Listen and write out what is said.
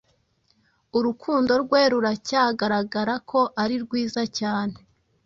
urukundo rwe ruracyagaragara ko ari rwiza cyane